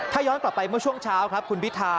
ถ้าย้อนกลับไปเมื่อช่วงเช้าครับคุณพิธา